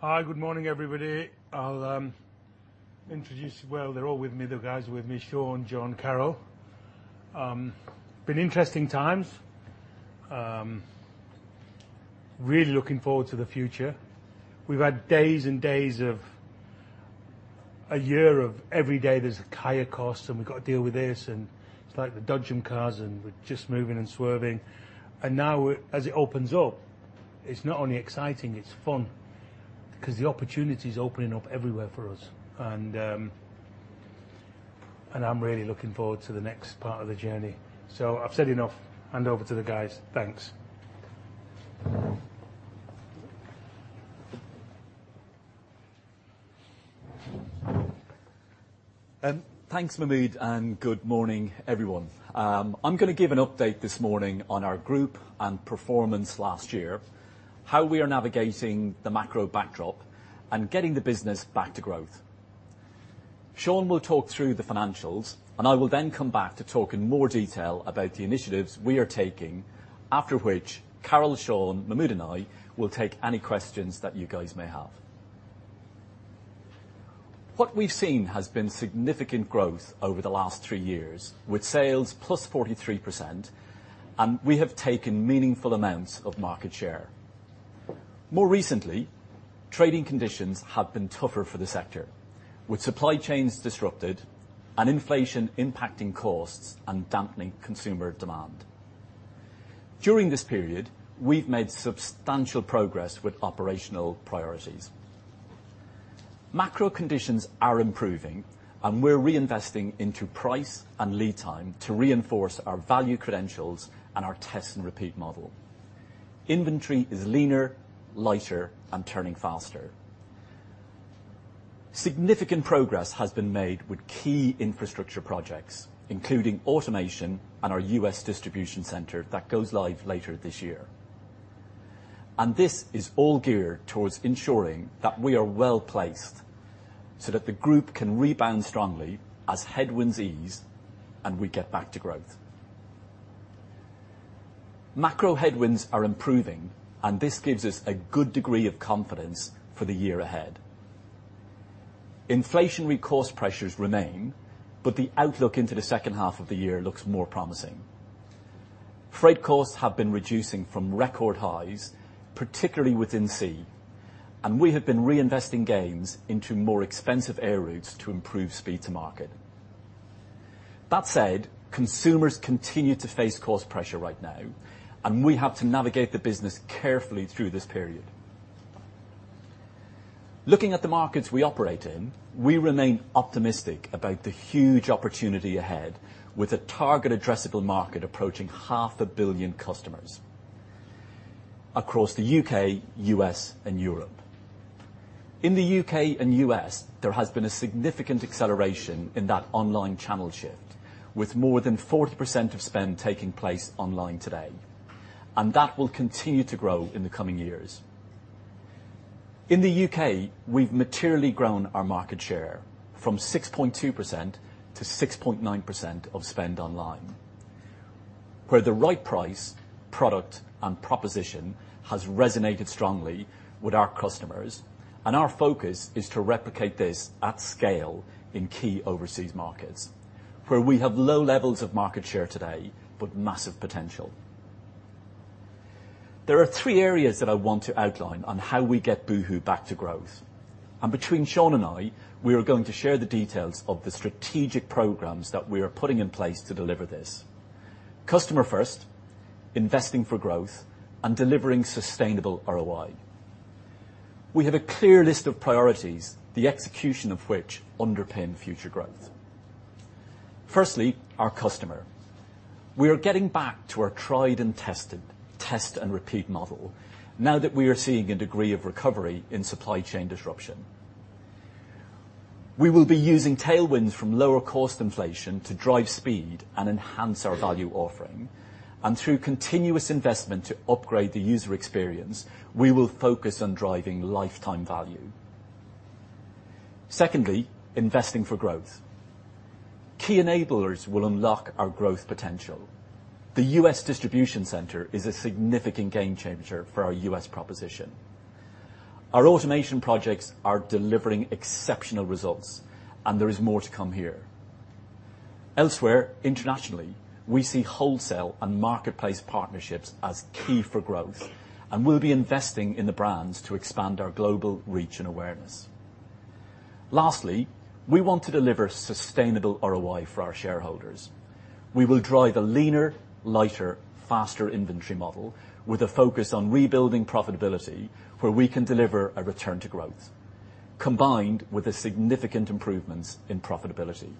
Hi, good morning, everybody. Well, they're all with me, the guys are with me, Shaun, John, Carol. Been interesting times. Really looking forward to the future. We've had days and days of a year of every day there's a higher cost, and we've gotta deal with this, and it's like the dodgem cars, and we're just moving and swerving. Now, as it opens up, it's not only exciting, it's fun, 'cause the opportunity's opening up everywhere for us. I'm really looking forward to the next part of the journey. I've said enough. Hand over to the guys. Thanks. Thanks, Mahmud, and good morning, everyone. I'm gonna give an update this morning on our group and performance last year, how we are navigating the macro backdrop and getting the business back to growth. Shaun will talk through the financials, I will then come back to talk in more detail about the initiatives we are taking. After which, Carol, Shaun, Mahmud, and I will take any questions that you guys may have. What we've seen has been significant growth over the last three years, with sales plus 43%, we have taken meaningful amounts of market share. More recently, trading conditions have been tougher for the sector, with supply chains disrupted and inflation impacting costs and dampening consumer demand. During this period, we've made substantial progress with operational priorities. Macro conditions are improving, and we're reinvesting into price and lead time to reinforce our value credentials and our test and repeat model. Inventory is leaner, lighter and turning faster. Significant progress has been made with key infrastructure projects, including automation and our U.S. distribution center that goes live later this year. This is all geared towards ensuring that we are well-placed so that the group can rebound strongly as headwinds ease and we get back to growth. Macro headwinds are improving, this gives us a good degree of confidence for the year ahead. Inflationary cost pressures remain, but the outlook into the second half of the year looks more promising. Freight costs have been reducing from record highs, particularly within sea, and we have been reinvesting gains into more expensive air routes to improve speed to market. That said, consumers continue to face cost pressure right now, and we have to navigate the business carefully through this period. Looking at the markets we operate in, we remain optimistic about the huge opportunity ahead with a target addressable market approaching half a billion customers across the U.K., U.S. and Europe. In the U.K. and U.S., there has been a significant acceleration in that online channel shift, with more than 40% of spend taking place online today, and that will continue to grow in the coming years. In the U.K., we've materially grown our market share from 6.2%-6.9% of spend online, where the right price, product, and proposition has resonated strongly with our customers and our focus is to replicate this at scale in key overseas markets where we have low levels of market share today, but massive potential. There are three areas that I want to outline on how we get Boohoo back to growth, and between Shaun and I, we are going to share the details of the strategic programs that we are putting in place to deliver this. Customer first, investing for growth, and delivering sustainable ROI. We have a clear list of priorities, the execution of which underpin future growth. Firstly, our customer. We are getting back to our tried and tested test and repeat model now that we are seeing a degree of recovery in supply chain disruption. We will be using tailwinds from lower cost inflation to drive speed and enhance our value offering, and through continuous investment to upgrade the user experience, we will focus on driving lifetime value. Secondly, investing for growth. Key enablers will unlock our growth potential. The U.S. distribution center is a significant game changer for our U.S. proposition. Our automation projects are delivering exceptional results, and there is more to come here. Elsewhere, internationally, we see wholesale and marketplace partnerships as key for growth. We'll be investing in the brands to expand our global reach and awareness. Lastly, we want to deliver sustainable ROI for our shareholders. We will drive a leaner, lighter, faster inventory model with a focus on rebuilding profitability where we can deliver a return to growth, combined with the significant improvements in profitability.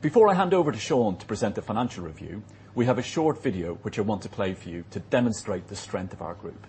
Before I hand over to Shaun to present the financial review, we have a short video which I want to play for you to demonstrate the strength of our group.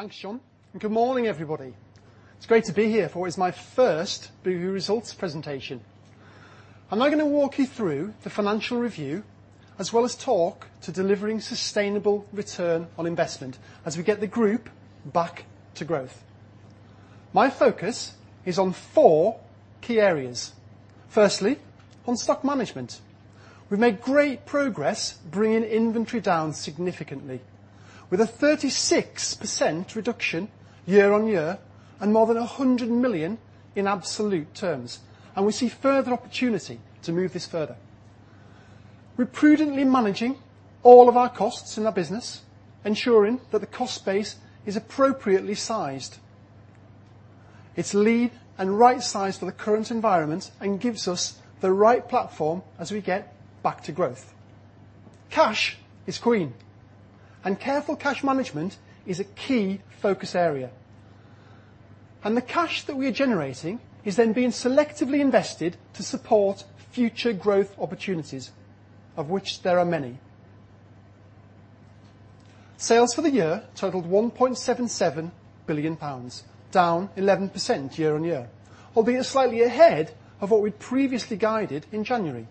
Okay, thanks, John. Good morning, everybody. It's great to be here for what is my first Boohoo results presentation. I'm now going to walk you through the financial review, as well as talk to delivering sustainable return on investment as we get the group back to growth. My focus is on four key areas. Firstly, on stock management. We've made great progress bringing inventory down significantly with a 36% reduction year-on-year and more than 100 million in absolute terms, and we see further opportunity to move this further. We're prudently managing all of our costs in our business, ensuring that the cost base is appropriately sized. It's lean and right-sized for the current environment and gives us the right platform as we get back to growth. Cash is queen and careful cash management is a key focus area, and the cash that we are generating is then being selectively invested to support future growth opportunities, of which there are many. Sales for the year totaled 1.77 billion pounds, down 11% year-on-year, albeit slightly ahead of what we'd previously guided in January.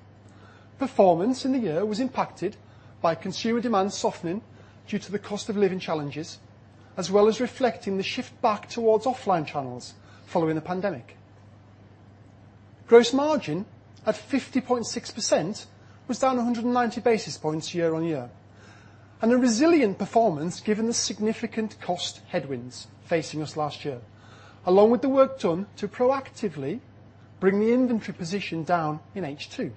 Performance in the year was impacted by consumer demand softening due to the cost of living challenges, as well as reflecting the shift back towards offline channels following the pandemic. Gross margin at 50.6% was down 190 basis points year-on-year. A resilient performance given the significant cost headwinds facing us last year, along with the work done to proactively bring the inventory position down in H2.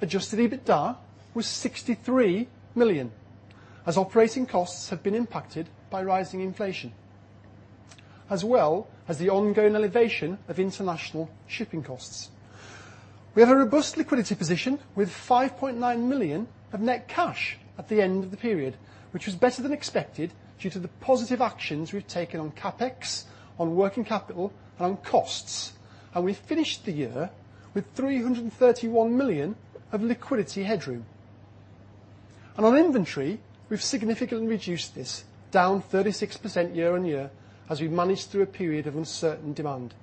Adjusted EBITDA was 63 million, as operating costs have been impacted by rising inflation, as well as the ongoing elevation of international shipping costs. We have a robust liquidity position with 5.9 million of net cash at the end of the period, which was better than expected due to the positive actions we've taken on CapEx, on working capital, and on costs. We finished the year with 331 million of liquidity headroom. On inventory, we've significantly reduced this, down 36% year-on-year as we've managed through a period of uncertain demand.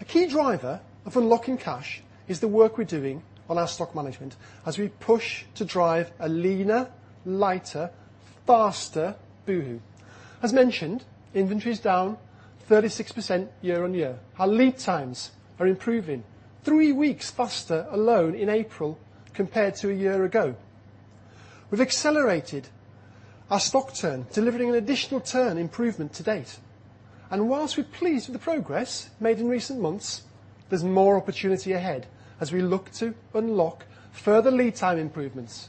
A key driver of unlocking cash is the work we're doing on our stock management as we push to drive a leaner, lighter, faster Boohoo. As mentioned, inventory is down 36% year-on-year. Our lead times are improving, three weeks faster alone in April compared to a year ago. We've accelerated our stock turn, delivering an additional turn improvement to date. Whilst we're pleased with the progress made in recent months, there's more opportunity ahead as we look to unlock further lead time improvements.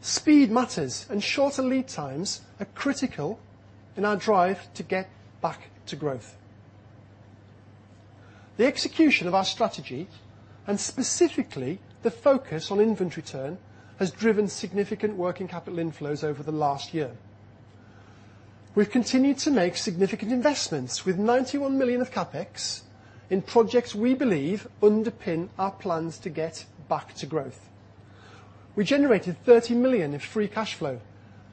Speed matters and shorter lead times are critical in our drive to get back to growth. The execution of our strategy, and specifically the focus on inventory turn, has driven significant working capital inflows over the last year. We've continued to make significant investments with 91 million of CapEx in projects we believe underpin our plans to get back to growth. We generated 30 million of free cash flow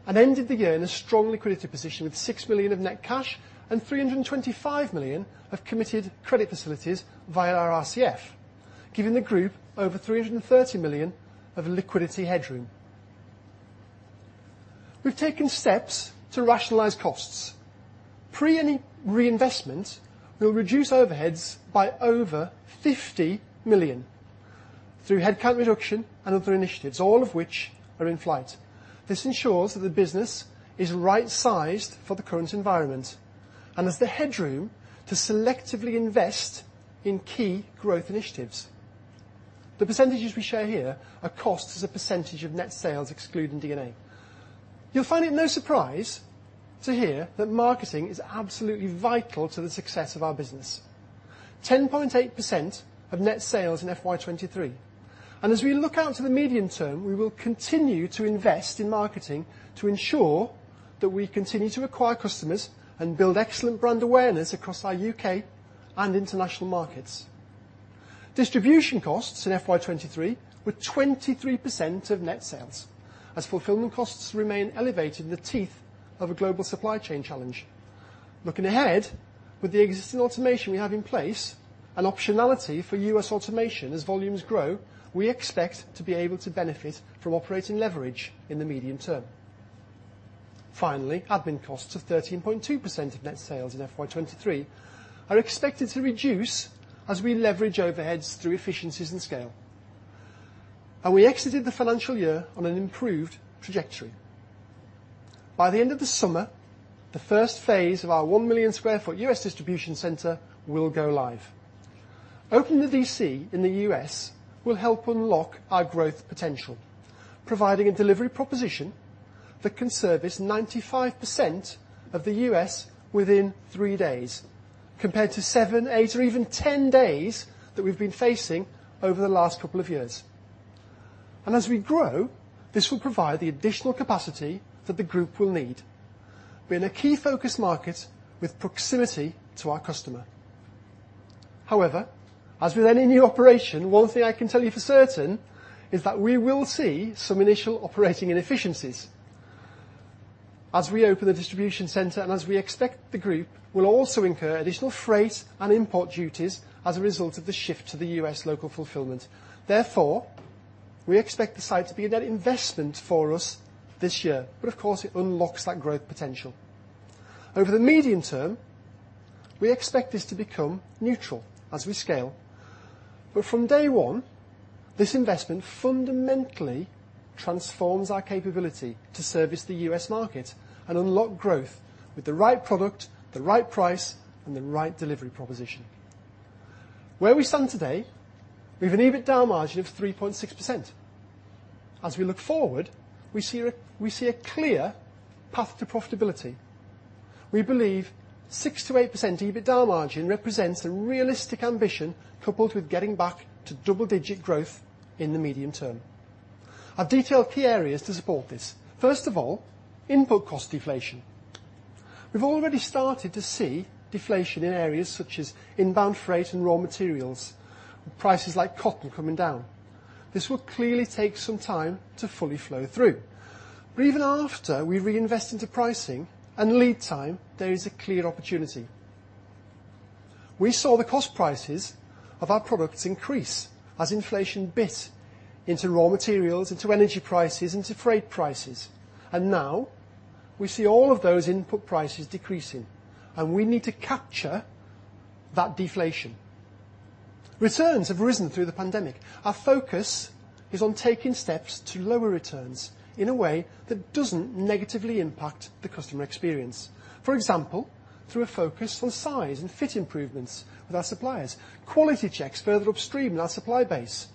and ended the year in a strong liquidity position with 6 million of Net Cash and 325 million of committed credit facilities via our RCF, giving the group over 330 million of liquidity headroom. We've taken steps to rationalize costs. Pre any reinvestment, we'll reduce overheads by over 50 million through headcount reduction and other initiatives, all of which are in flight. This ensures that the business is right-sized for the current environment and has the headroom to selectively invest in key growth initiatives. The percentages we show here are costs as a percentage of net sales, excluding D&A. You'll find it no surprise to hear that marketing is absolutely vital to the success of our business. 10.8% of net sales in FY 2023. As we look out to the medium term, we will continue to invest in marketing to ensure that we continue to acquire customers and build excellent brand awareness across our U.K. and international markets. Distribution costs in FY 2023 were 23% of net sales, as fulfillment costs remain elevated in the teeth of a global supply chain challenge. Looking ahead, with the existing automation we have in place and optionality for U.S. automation as volumes grow, we expect to be able to benefit from operating leverage in the medium term. Finally, admin costs of 13.2% of net sales in FY 2023 are expected to reduce as we leverage overheads through efficiencies and scale. We exited the financial year on an improved trajectory. By the end of the summer, the first phase of our 1 million sq ft U.S. distribution center will go live. Opening the D.C. in the U.S. will help unlock our growth potential, providing a delivery proposition that can service 95% of the U.S. within three days, compared to seven, eight, or even 10 days that we've been facing over the last couple of years. As we grow, this will provide the additional capacity that the group will need. We're in a key focus market with proximity to our customer. However, as with any new operation, one thing I can tell you for certain is that we will see some initial operating inefficiencies. As we open the distribution center and as we expect the group will also incur additional freight and import duties as a result of the shift to the U.S. local fulfillment. Therefore, we expect the site to be a net investment for us this year, but of course it unlocks that growth potential. Over the medium term, we expect this to become neutral as we scale. From day one, this investment fundamentally transforms our capability to service the U.S. market and unlock growth with the right product, the right price, and the right delivery proposition. Where we stand today, we have an EBITDA margin of 3.6%. As we look forward, we see a clear path to profitability. We believe 6%-8% EBITDA margin represents a realistic ambition coupled with getting back to double-digit growth in the medium term. I've detailed key areas to support this. First of all, input cost deflation. We've already started to see deflation in areas such as inbound freight and raw materials, prices like cotton coming down. This will clearly take some time to fully flow through. Even after we reinvest into pricing and lead time, there is a clear opportunity. We saw the cost prices of our products increase as inflation bit into raw materials, into energy prices, into freight prices. Now we see all of those input prices decreasing, and we need to capture that deflation. Returns have risen through the pandemic. Our focus is on taking steps to lower returns in a way that doesn't negatively impact the customer experience. For example, through a focus on size and fit improvements with our suppliers, quality checks further upstream in our supply base,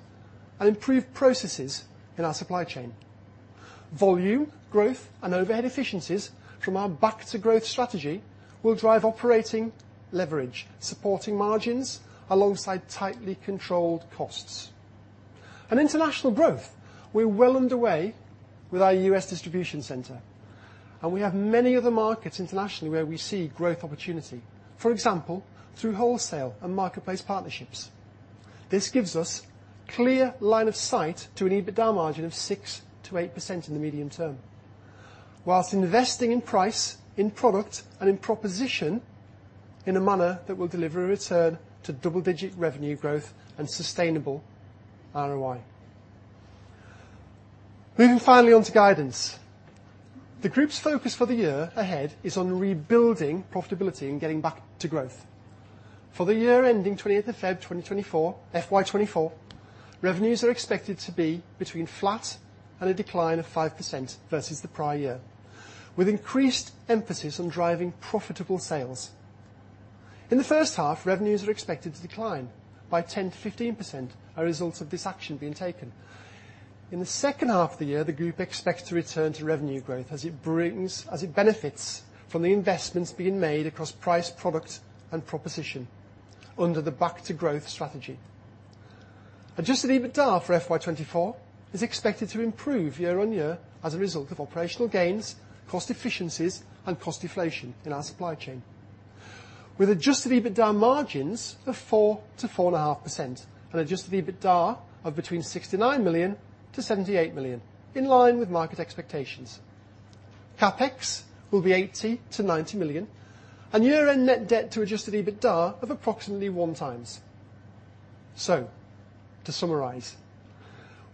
and improved processes in our supply chain. Volume, growth, and overhead efficiencies from our back to growth strategy will drive operating leverage, supporting margins alongside tightly controlled costs. International growth, we're well underway with our US distribution center. We have many other markets internationally where we see growth opportunity. For example, through wholesale and marketplace partnerships. This gives us clear line of sight to an Adjusted EBITDA margin of 6%-8% in the medium term, while investing in price, in product, and in proposition in a manner that will deliver a return to double-digit revenue growth and sustainable ROI. Moving finally on to guidance. The group's focus for the year ahead is on rebuilding profitability and getting back to growth. For the year ending 28th of February 2024, FY 2024, revenues are expected to be between flat and a decline of 5% versus the prior year, with increased emphasis on driving profitable sales. In the first half, revenues are expected to decline by 10%-15%, a result of this action being taken. In the second half of the year, the group expects to return to revenue growth as it benefits from the investments being made across price, product, and proposition under the back to growth strategy. Adjusted EBITDA for FY2024 is expected to improve year-on-year as a result of operational gains, cost efficiencies, and cost deflation in our supply chain. With Adjusted EBITDA margins of 4%-4.5% and Adjusted EBITDA of between 69 million-78 million, in line with market expectations. CapEx will be 80 million-90 million and year-end net debt to Adjusted EBITDA of approximately 1 times. To summarize,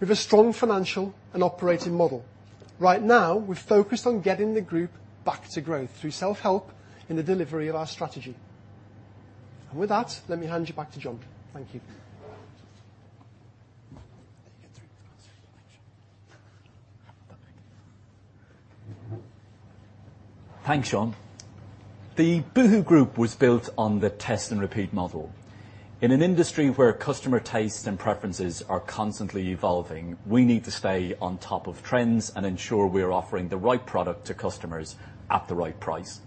we have a strong financial and operating model. Right now, we're focused on getting the group back to growth through self-help in the delivery of our strategy. With that, let me hand you back to John. Thank you. Thanks, Shaun. The boohoo group was built on the test and repeat model. In an industry where customer tastes and preferences are constantly evolving, we need to stay on top of trends and ensure we are offering the right product to customers at the right price.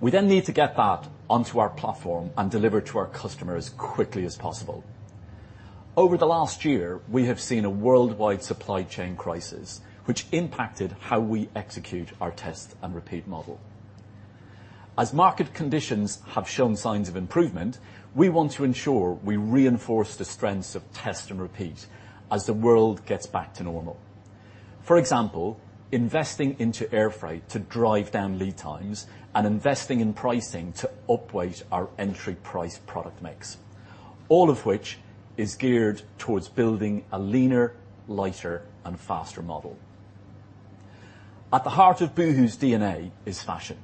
We need to get that onto our platform and deliver to our customers quickly as possible. Over the last year, we have seen a worldwide supply chain crisis, which impacted how we execute our test and repeat model. As market conditions have shown signs of improvement, we want to ensure we reinforce the strengths of test and repeat as the world gets back to normal. For example, investing into air freight to drive down lead times and investing in pricing to upweight our entry price product mix, all of which is geared towards building a leaner, lighter, and faster model. At the heart of Boohoo's DNA is fashion.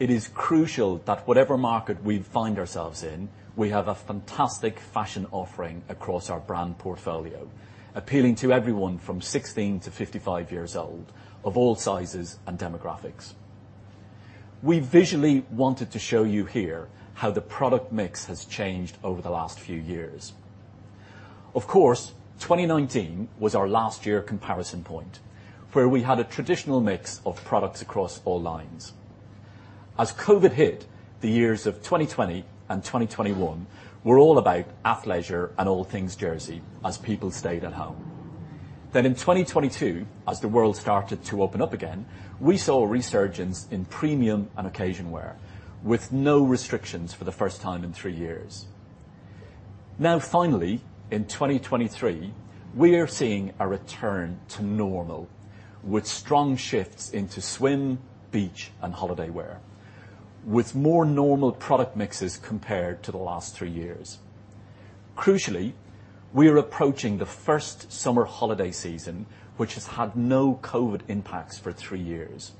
It is crucial that whatever market we find ourselves in, we have a fantastic fashion offering across our brand portfolio, appealing to everyone from 16-55 years old, of all sizes and demographics. We visually wanted to show you here how the product mix has changed over the last few years. Of course, 2019 was our last year comparison point, where we had a traditional mix of products across all lines. As COVID hit, the years of 2020 and 2021 were all about athleisure and all things jersey as people stayed at home. In 2022, as the world started to open up again, we saw a resurgence in premium and occasion wear with no restrictions for the first time in three years. Finally, in 2023, we are seeing a return to normal with strong shifts into swim, beach, and holiday wear with more normal product mixes compared to the last three years. Crucially, we are approaching the first summer holiday season which has had no COVID impacts for three ears.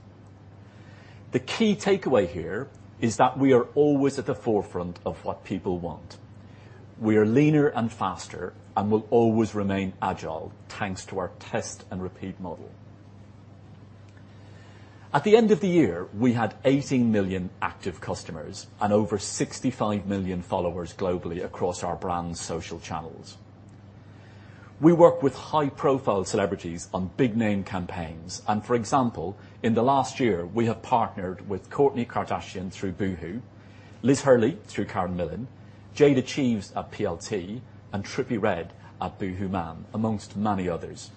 The key takeaway here is that we are always at the forefront of what people want. We are leaner and faster and will always remain agile thanks to our test and repeat model. At the end of the year, we had 18 million active customers and over 65 million followers globally across our brand's social channels. We work with high-profile celebrities on big name campaigns and, for example, in the last year, we have partnered with Kourtney Kardashian through Boohoo, Liz Hurley through Karen Millen, Jade Thirlwall at PLT, and Trippie Redd at boohooMAN, amongst many others.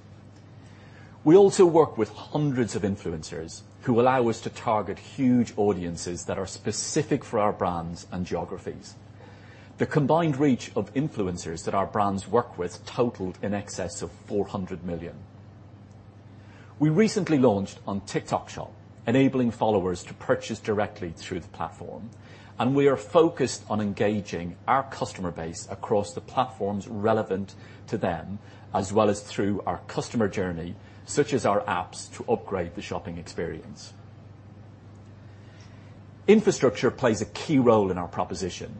We also work with hundreds of influencers who allow us to target huge audiences that are specific for our brands and geographies. The combined reach of influencers that our brands work with totaled in excess of 400 million. We recently launched on TikTok Shop, enabling followers to purchase directly through the platform, and we are focused on engaging our customer base across the platforms relevant to them, as well as through our customer journey, such as our apps to upgrade the shopping experience. Infrastructure plays a key role in our proposition.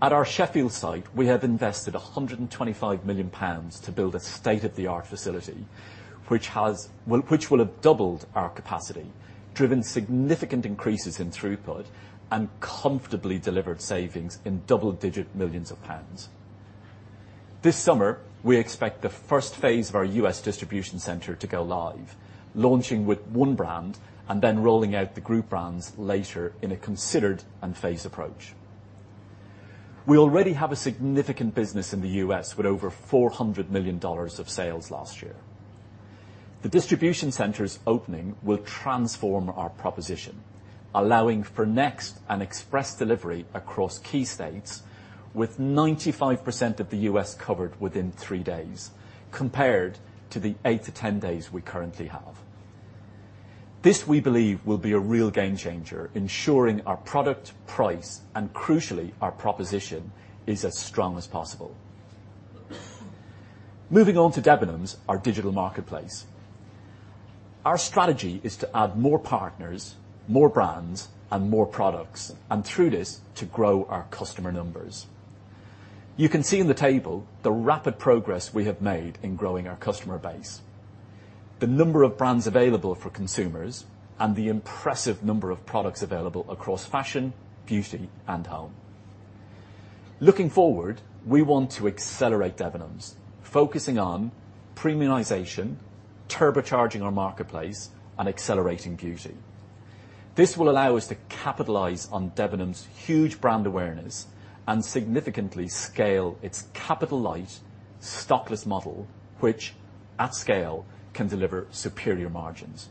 At our Sheffield site, we have invested 125 million pounds to build a state-of-the-art facility, which will have doubled our capacity, driven significant increases in throughput, and comfortably delivered savings in double-digit millions of GBP. This summer, we expect the first phase of our U.S. distribution center to go live, launching with one brand and then rolling out the group brands later in a considered and phased approach. We already have a significant business in the U.S. with over $400 million of sales last year. The distribution center's opening will transform our proposition, allowing for next and express delivery across key states with 95% of the U.S. covered within three days compared to the eight to 10 days we currently have. This, we believe, will be a real game changer, ensuring our product price and crucially our proposition is as strong as possible. Moving on to Debenhams, our digital marketplace. Our strategy is to add more partners, more brands, and more products, and through this, to grow our customer numbers. You can see in the table the rapid progress we have made in growing our customer base, the number of brands available for consumers, and the impressive number of products available across fashion, beauty, and home. Looking forward, we want to accelerate Debenhams, focusing on premiumization, turbocharging our marketplace, and accelerating beauty. This will allow us to capitalize on Debenhams' huge brand awareness and significantly scale its capital-light, stockless model which, at scale, can deliver superior margins.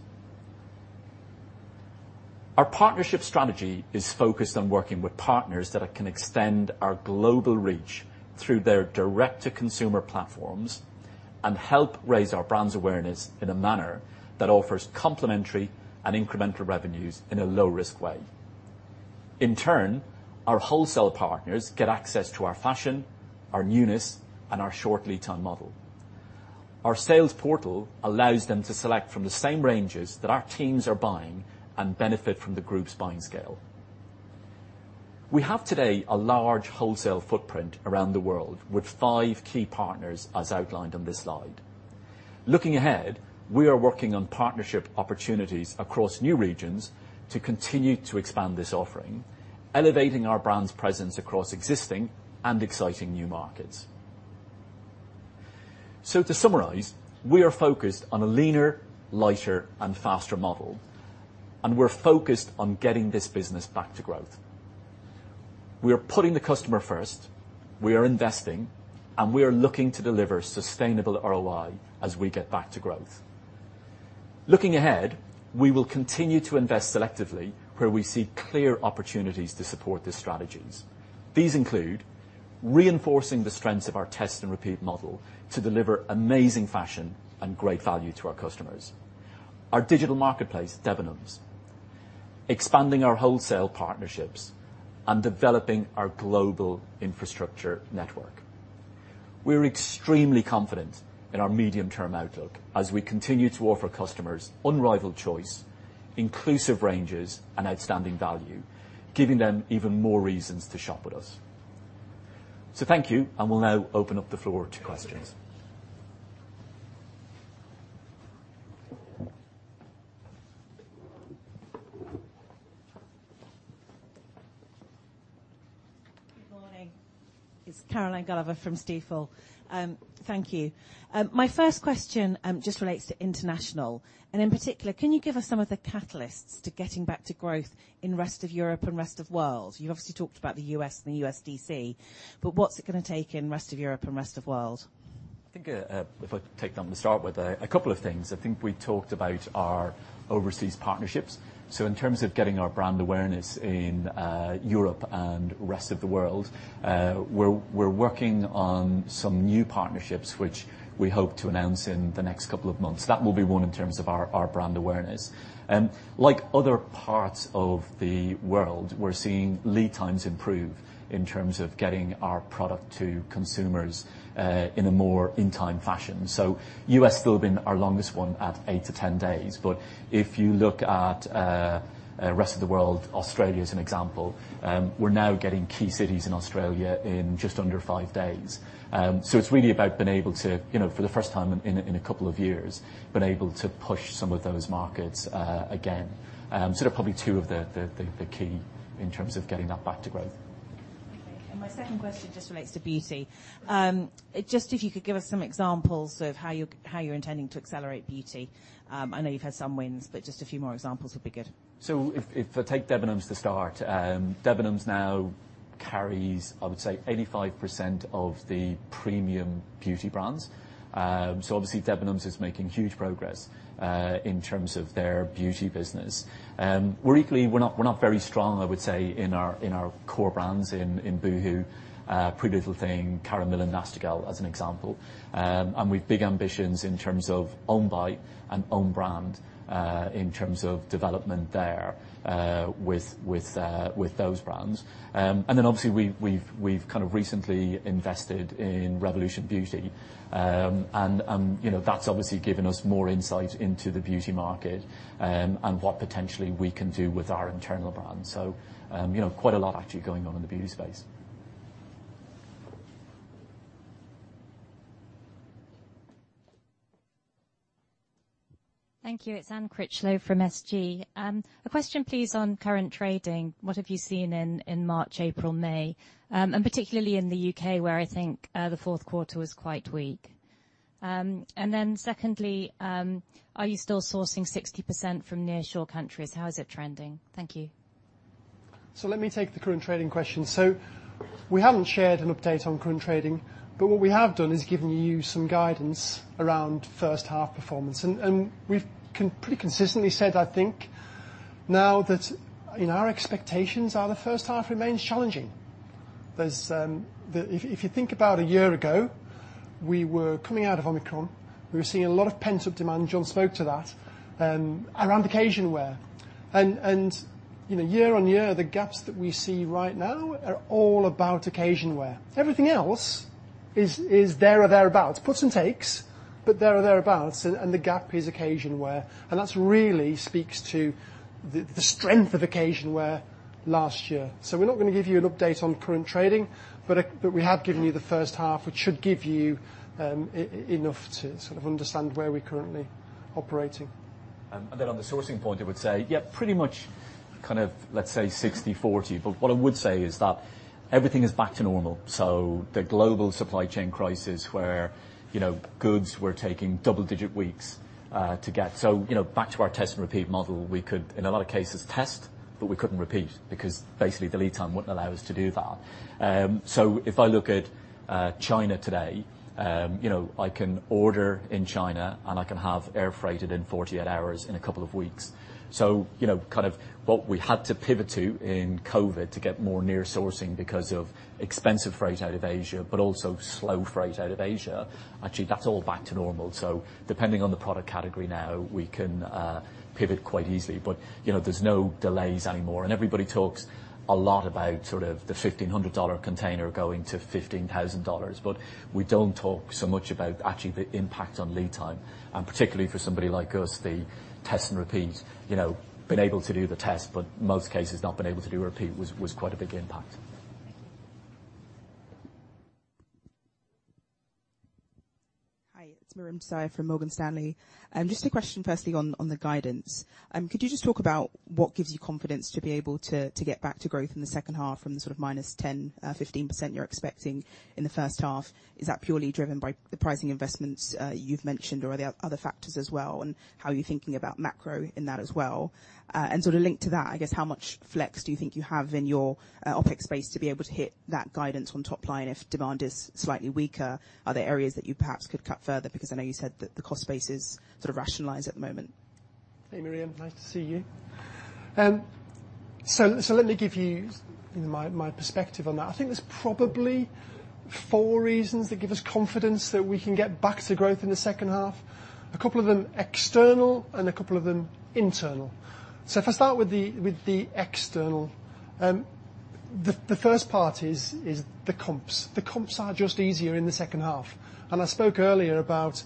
Our partnership strategy is focused on working with partners that can extend our global reach through their direct-to-consumer platforms and help raise our brand's awareness in a manner that offers complementary and incremental revenues in a low-risk way. In turn, our wholesale partners get access to our fashion, our newness, and our short lead time model. Our sales portal allows them to select from the same ranges that our teams are buying and benefit from the group's buying scale. We have today a large wholesale footprint around the world with five key partners as outlined on this slide. Looking ahead, we are working on partnership opportunities across new regions to continue to expand this offering, elevating our brand's presence across existing and exciting new markets. To summarize, we are focused on a leaner, lighter, and faster model, and we're focused on getting this business back to growth. We are putting the customer first, we are investing, and we are looking to deliver sustainable ROI as we get back to growth. Looking ahead, we will continue to invest selectively where we see clear opportunities to support these strategies. These include reinforcing the strengths of our test and repeat model to deliver amazing fashion and great value to our customers, our digital marketplace, Debenhams. Expanding our wholesale partnerships and developing our global infrastructure network. We're extremely confident in our medium-term outlook as we continue to offer customers unrivaled choice, inclusive ranges, and outstanding value, giving them even more reasons to shop with us. Thank you, and we'll now open up the floor to questions. Good morning. It's Caroline Gulliver from Stifel. Thank you. My first question, just relates to international, and in particular, can you give us some of the catalysts to getting back to growth in rest of Europe and rest of world? You've obviously talked about the U.S. and the U.S. D.C., but what's it gonna take in rest of Europe and rest of world? I think, if I take that one to start with, a couple of things. I think we talked about our overseas partnerships. In terms of getting our brand awareness in Europe and rest of the world, we're working on some new partnerships which we hope to announce in the next couple of months. That will be one in terms of our brand awareness. Like other parts of the world, we're seeing lead times improve in terms of getting our product to consumers in a more in time fashion. U.S. still been our longest one at eight to 10 days, but if you look at rest of the world, Australia as an example, we're now getting key cities in Australia in just under five days. It's really about being able to, you know, for the first time in a couple of years, been able to push some of those markets again. They're probably two of the key in terms of getting that back to growth. Okay. My second question just relates to beauty. Just if you could give us some examples of how you're intending to accelerate beauty. I know you've had some wins, just a few more examples would be good. If I take Debenhams to start, Debenhams now carries, I would say, 85% of the premium beauty brands. Obviously Debenhams is making huge progress in terms of their beauty business. We're not very strong, I would say, in our core brands in Boohoo, PrettyLittleThing, Karen Millen, Nasty Gal, as an example. We've big ambitions in terms of own buy and own brand in terms of development there with those brands. Obviously we've kind of recently invested in Revolution Beauty. You know, that's obviously given us more insight into the beauty market and what potentially we can do with our internal brands. You know, quite a lot actually going on in the beauty space. Thank you. It's Anne Critchlow from SG. A question please on current trading. What have you seen in March, April, May? Particularly in the U.K., where I think the fourth quarter was quite weak. Secondly, are you still sourcing 60% from nearshore countries? How is it trending? Thank you. Let me take the current trading question. We haven't shared an update on current trading, but what we have done is given you some guidance around first half performance. We've pretty consistently said, I think, now that in our expectations are the first half remains challenging. There's, if you think about a year ago, we were coming out of Omicron. We were seeing a lot of pent-up demand, John spoke to that, around occasion wear. You know, year on year, the gaps that we see right now are all about occasion wear. Everything else is there or thereabouts. Puts and takes, but there or thereabouts, and the gap is occasion wear. That really speaks to the strength of occasion wear last year. We're not gonna give you an update on current trading, but we have given you the first half, which should give you enough to sort of understand where we're currently operating. On the sourcing point, I would say, yeah, pretty much kind of, let's say 60/40. What I would say is that everything is back to normal. The global supply chain crisis where, you know, goods were taking double-digit weeks to get. You know, back to our test and repeat model, we could in a lot of cases test, but we couldn't repeat because basically the lead time wouldn't allow us to do that. If I look at China today, you know, I can order in China, and I can have air freighted in 48 hours in a couple of weeks. You know, kind of what we had to pivot to in COVID to get more near sourcing because of expensive freight out of Asia, but also slow freight out of Asia, actually, that's all back to normal. Depending on the product category now, we can pivot quite easily. You know, there's no delays anymore. Everybody talks a lot about sort of the $1,500 container going to $15,000, but we don't talk so much about actually the impact on lead time, and particularly for somebody like us, the Test and Repeat. You know, being able to do the test, but most cases not being able to do repeat was quite a big impact. Hi, it's Miriam Josiah from Morgan Stanley. Just a question firstly on the guidance. Could you just talk about what gives you confidence to be able to get back to growth in the second half from the sort of -10%, -15% you're expecting in the first half? Is that purely driven by the pricing investments you've mentioned, or are there other factors as well, and how are you thinking about macro in that as well? Sort of linked to that, I guess, how much flex do you think you have in your OpEx space to be able to hit that guidance on top line if demand is slightly weaker? Are there areas that you perhaps could cut further? Because I know you said that the cost base is sort of rationalized at the moment. Hey, Miriam. Nice to see you. Let me give you my perspective on that. I think there's probably four reasons that give us confidence that we can get back to growth in the second half. A couple of them external and a couple of them internal. If I start with the external, the first part is the comps. The comps are just easier in the second half. I spoke earlier about,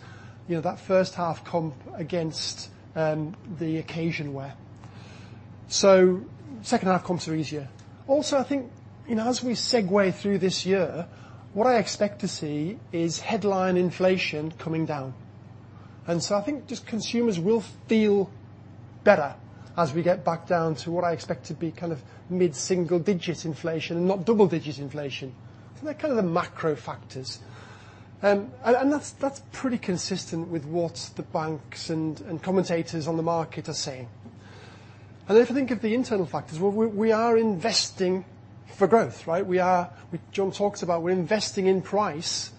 you know, that first half comp against the occasion wear. Second half comps are easier. Also, I think, you know, as we segue through this year, what I expect to see is headline inflation coming down. I think just consumers will feel better as we get back down to what I expect to be kind of mid-single digit inflation, not double digit inflation. They're kind of the macro factors. And that's pretty consistent with what the banks and commentators on the market are saying. If you think of the internal factors, we are investing for growth, right? John talked about we're investing in price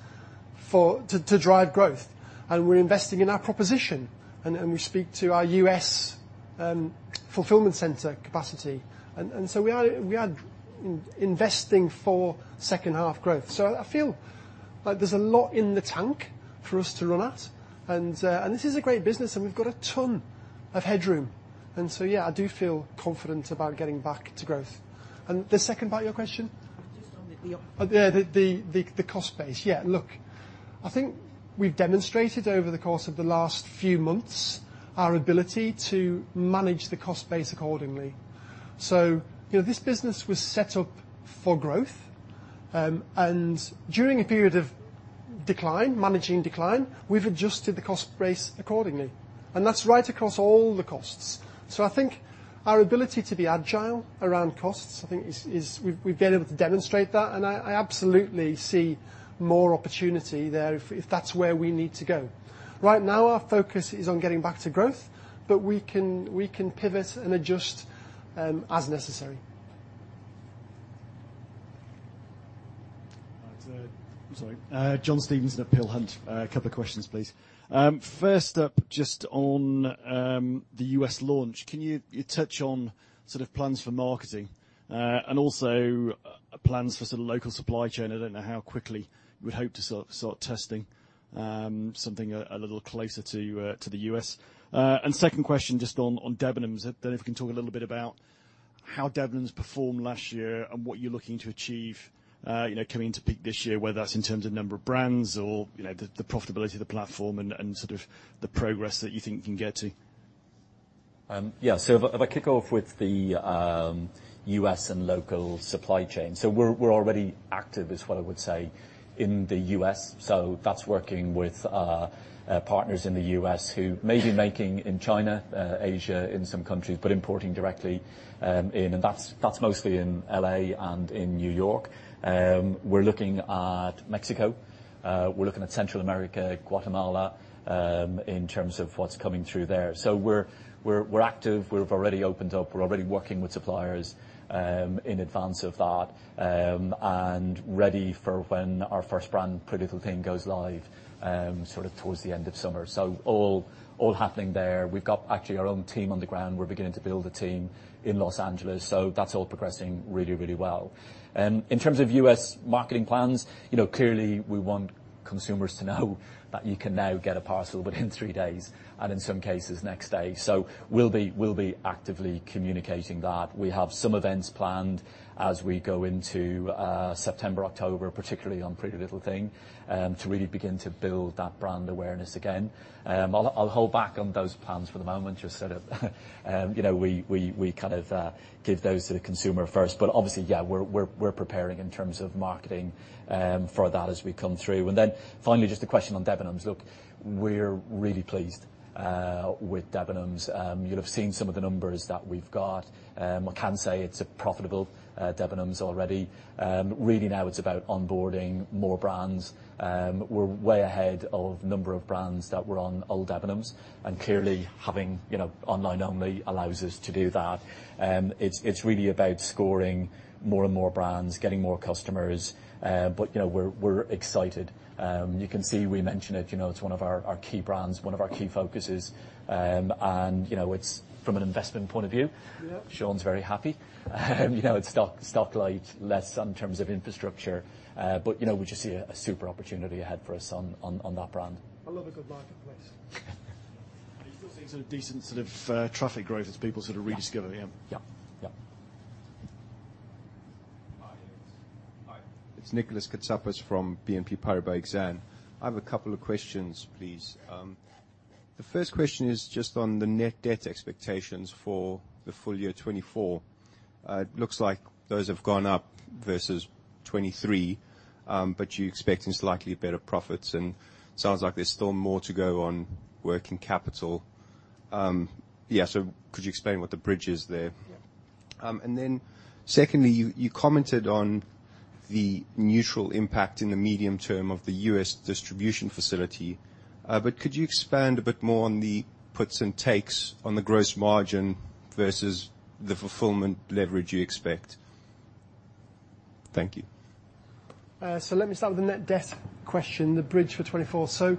to drive growth, and we're investing in our proposition, and we speak to our U.S. fulfillment center capacity. So we are investing for second half growth. I feel like there's a lot in the tank for us to run at. This is a great business, and we've got a ton of headroom. So, yeah, I do feel confident about getting back to growth. The second part of your question? Just on the- Yeah, the cost base. Yeah. Look, I think we've demonstrated over the course of the last few months our ability to manage the cost base accordingly. You know, this business was set up for growth. During a period of decline, managing decline, we've adjusted the cost base accordingly. That's right across all the costs. I think our ability to be agile around costs, I think is, we've been able to demonstrate that. I absolutely see more opportunity there if that's where we need to go. Right now, our focus is on getting back to growth, but we can pivot and adjust as necessary. All right. I'm sorry. John Stevenson at Peel Hunt. A couple of questions, please. First up, just on the U.S. launch. Can you touch on sort of plans for marketing? Also plans for sort of local supply chain. I don't know how quickly you would hope to sort of start testing something a little closer to the US. Second question just on Debenhams. Don't know if you can talk a little bit about how Debenhams performed last year and what you're looking to achieve, you know, coming to peak this year, whether that's in terms of number of brands or, you know, the profitability of the platform and sort of the progress that you think you can get to. Yeah. If I kick off with the U.S. and local supply chain. We're already active is what I would say in the U.S. That's working with partners in the U.S. who may be making in China, Asia in some countries, but importing directly in. That's mostly in L.A. and in New York. We're looking at Mexico. We're looking at Central America, Guatemala, in terms of what's coming through there. We're active. We've already opened up. We're already working with suppliers, in advance of that, and ready for when our first brand, PrettyLittleThing, goes live, sort of towards the end of summer. All happening there. We've got actually our own team on the ground. We're beginning to build a team in Los Angeles. That's all progressing really, really well. In terms of U.S. marketing plans, you know, clearly we want consumers to know that you can now get a parcel within three days and in some cases next day. We'll be actively communicating that. We have some events planned as we go into September, October, particularly on PrettyLittleThing, to really begin to build that brand awareness again. I'll hold back on those plans for the moment. Just sort of, you know, we kind of give those to the consumer first. Obviously, yeah, we're preparing in terms of marketing for that as we come through. Finally, just a question on Debenhams. Look, we're really pleased with Debenhams. You'll have seen some of the numbers that we've got. I can say it's a profitable Debenhams already. Really now it's about onboarding more brands. We're way ahead of number of brands that were on old Debenhams. Clearly having, you know, online only allows us to do that. It's really about scoring more and more brands, getting more customers. You know, we're excited. You can see we mention it, you know, it's one of our key brands, one of our key focuses. You know, it's from an investment point of view. Yeah Shaun very happy. You know, it's stock light, less in terms of infrastructure. You know, we just see a super opportunity ahead for us on that brand. I love a good marketplace. Are you still seeing sort of decent sort of traffic growth as people sort of rediscover them? Yeah. Yeah. Yeah. Hi, it's Nikolaos Konstantakis from BNP Paribas Exane. I have a couple of questions, please. The first question is just on the net debt expectations for the full year 2024. It looks like those have gone up versus 2023. You're expecting slightly better profits, and sounds like there's still more to go on working capital. Could you explain what the bridge is there? Yeah. Secondly, you commented on the neutral impact in the medium term of the U.S. distribution facility. Could you expand a bit more on the puts and takes on the Gross Margin versus the fulfillment leverage you expect? Thank you. Let me start with the net debt question, the bridge for 2024.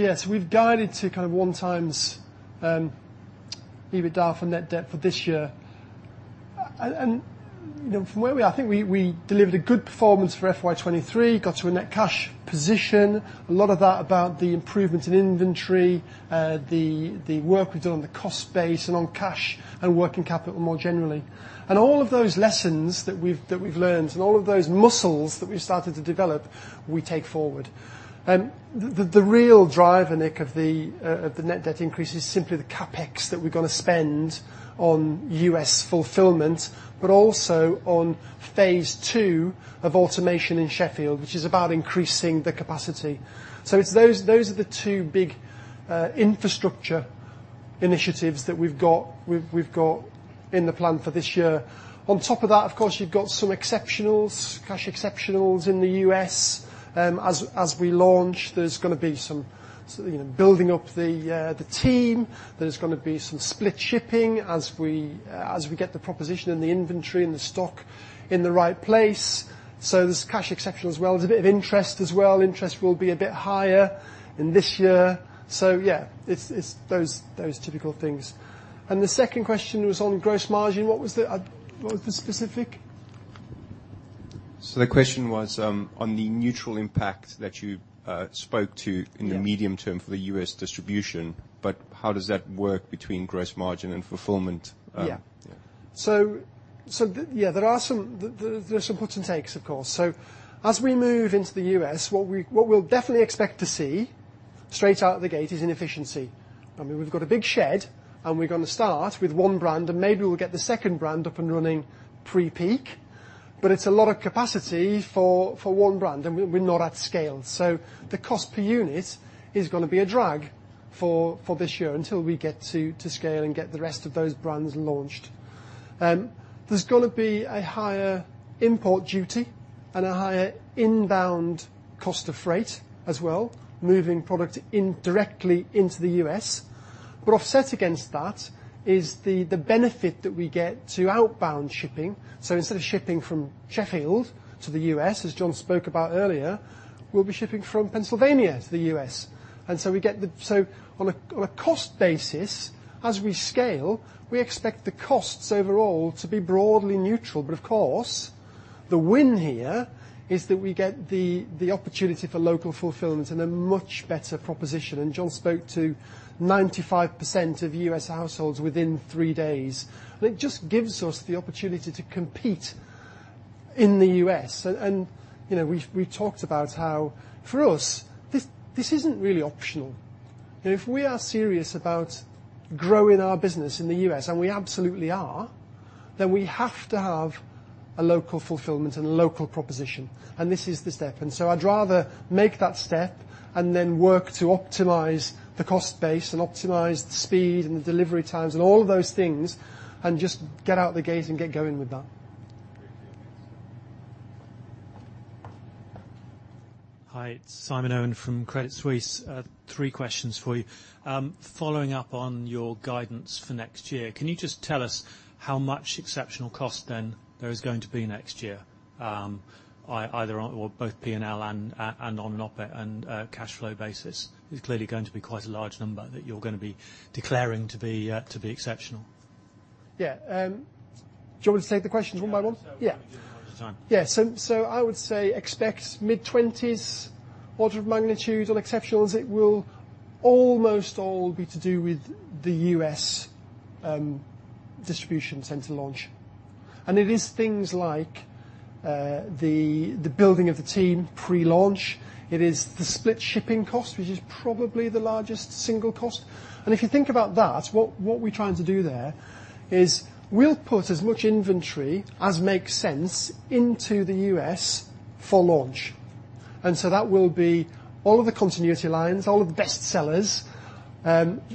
Yes, we've guided to kind of one times EBITDA for net debt for this year. You know, from where we are, I think we delivered a good performance for FY 2023, got to a net cash position. A lot of that about the improvement in inventory, the work we've done on the cost base and on cash and working capital more generally. All of those lessons that we've learned, and all of those muscles that we've started to develop, we take forward. The real driver, Nick, of the net debt increase is simply the CapEx that we're gonna spend on U.S. fulfillment, but also on phase two of automation in Sheffield, which is about increasing the capacity. It's those are the two big infrastructure initiatives that we've got in the plan for this year. On top of that, of course, you've got some exceptionals, cash exceptionals in the U.S. As we launch, there's gonna be some, you know, building up the team. There's gonna be some split shipping as we get the proposition and the inventory and the stock in the right place. There's cash exceptional as well. There's a bit of interest as well. Interest will be a bit higher in this year. It's those typical things. The second question was on gross margin. What was the specific? The question was, on the neutral impact that you spoke to. Yeah... in the medium term for the U.S. distribution, but how does that work between gross margin and fulfillment? Yeah. Yeah. There are some gives and takes, of course. As we move into the U.S., what we'll definitely expect to see straight out the gate is inefficiency. I mean, we've got a big shed, and we're gonna start with one brand, and maybe we'll get the second brand up and running pre-peak. It's a lot of capacity for one brand, and we're not at scale. The cost per unit is gonna be a drag for this year until we get to scale and get the rest of those brands launched. There's gonna be a higher import duty and a higher inbound cost of freight as well, moving product in directly into the U.S. Offset against that is the benefit that we get to outbound shipping. Instead of shipping from Sheffield to the U.S., as John spoke about earlier, we'll be shipping from Pennsylvania to the U.S. We get the... on a cost basis, as we scale, we expect the costs overall to be broadly neutral. Of course, the win here is that we get the opportunity for local fulfillment and a much better proposition. John spoke to 95% of U.S. households within three days. It just gives us the opportunity to compete in the U.S. You know, we've talked about how for us, this isn't really optional. You know, if we are serious about growing our business in the U.S., and we absolutely are, then we have to have a local fulfillment and a local proposition, and this is the step. I'd rather make that step and then work to optimize the cost base and optimize the speed and the delivery times and all of those things, and just get out the gate and get going with that. Hi, it's Simon Owen from Credit Suisse. Three questions for you. Following up on your guidance for next year, can you just tell us how much exceptional cost then there is going to be next year, either or both P&L and on OpEx and cash flow basis? It's clearly going to be quite a large number that you're gonna be declaring to be exceptional. Do you want me to take the questions one by one? Yeah. Yeah. Do them 1 at a time. Yeah. I would say expect mid-20s order of magnitude on exceptionals. It will almost all be to do with the U.S. distribution center launch. It is things like the building of the team pre-launch. It is the split shipping cost, which is probably the largest single cost. If you think about that, what we're trying to do there is we'll put as much inventory as makes sense into the U.S. for launch. That will be all of the continuity lines, all of the best sellers,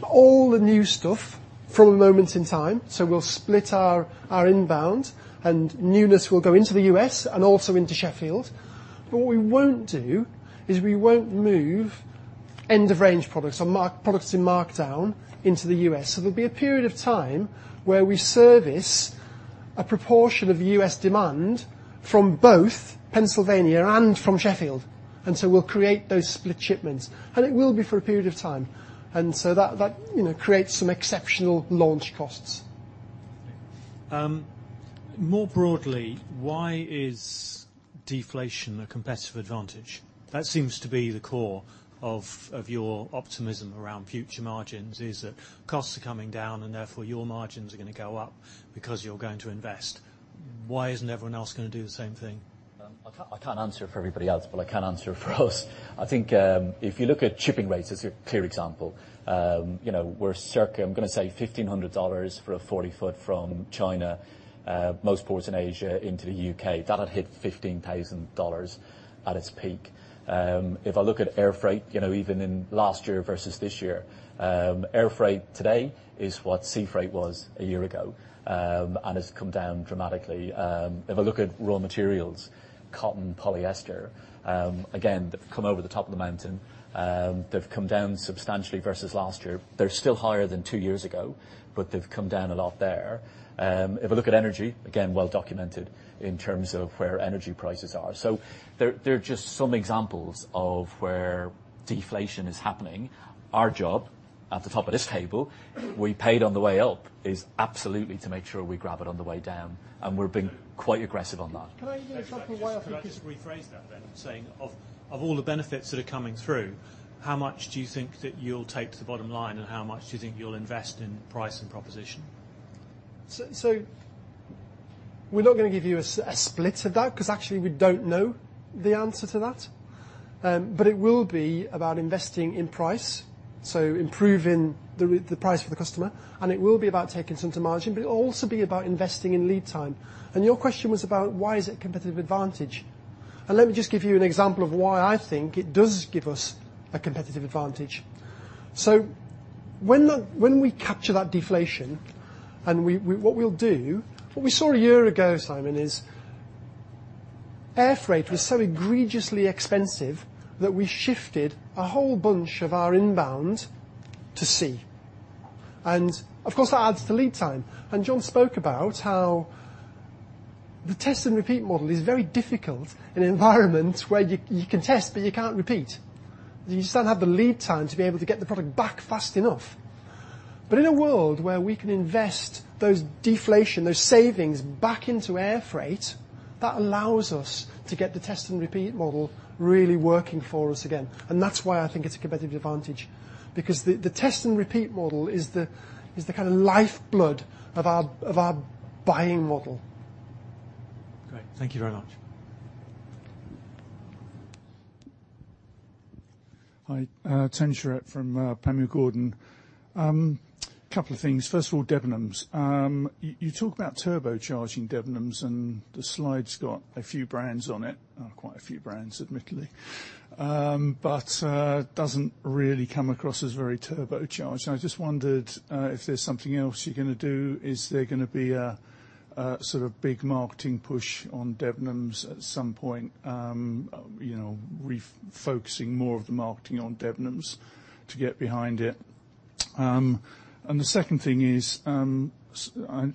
all the new stuff for a moment in time. We'll split our inbound, and newness will go into the U.S. and also into Sheffield. What we won't do is we won't move end-of-range products or products in markdown into the U.S. There'll be a period of time where we service a proportion of US demand from both Pennsylvania and from Sheffield, and so we'll create those split shipments, and it will be for a period of time. That, you know, creates some exceptional launch costs. More broadly, why is deflation a competitive advantage? That seems to be the core of your optimism around future margins, is that costs are coming down and therefore your margins are gonna go up because you're going to invest. Why isn't everyone else gonna do the same thing? I can't answer for everybody else, but I can answer for us. I think, if you look at shipping rates as a clear example, you know, we're circa, I'm gonna say $1,500 for a 40 foot from China, most ports in Asia into the U.K. That had hit $15,000 at its peak. If I look at air freight, you know, even in last year versus this year, air freight today is what sea freight was a year ago, and has come down dramatically. If I look at raw materials, cotton, polyester, again, they've come over the top of the mountain. They've come down substantially versus last year. They're still higher than two years ago, but they've come down a lot there. If I look at energy, again, well documented in terms of where energy prices are. They're just some examples of where deflation is happening. Our job at the top of this table, we paid on the way up is absolutely to make sure we grab it on the way down, and we're being quite aggressive on that. Can I give you an example why I think it's-? Can I just rephrase that then? Saying of all the benefits that are coming through, how much do you think that you'll take to the bottom line, and how much do you think you'll invest in price and proposition? We're not gonna give you a split of that 'cause actually we don't know the answer to that. It will be about investing in price, so improving the price for the customer, and it will be about taking some to margin, but it'll also be about investing in lead time. Your question was about why is it competitive advantage? Let me just give you an example of why I think it does give us a competitive advantage. When we capture that deflation, what we saw a year ago, Simon, is air freight was so egregiously expensive that we shifted a whole bunch of our inbound to sea. Of course, that adds to lead time. John spoke about how the test and repeat model is very difficult in an environment where you can test but you can't repeat. You just don't have the lead time to be able to get the product back fast enough. In a world where we can invest those deflation, those savings back into air freight, that allows us to get the test and repeat model really working for us again, and that's why I think it's a competitive advantage because the test and repeat model is the kind of lifeblood of our buying model. Great. Thank you very much. Hi. Tony Shiret from Panmure Gordon. Couple of things. First of all, Debenhams. You talk about turbocharging Debenhams, and the slide's got a few brands on it, quite a few brands admittedly. It doesn't really come across as very turbocharged, and I just wondered if there's something else you're gonna do. Is there gonna be a sort of big marketing push on Debenhams at some point, you know, focusing more of the marketing on Debenhams to get behind it? The second thing is, I